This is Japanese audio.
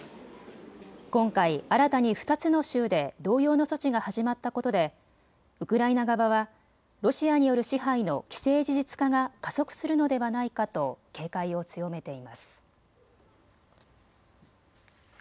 今回、新たに２つの州で同様の措置が始まったことでウクライナ側はロシアによる支配の既成事実化が加速するのではないかと警戒を強めています。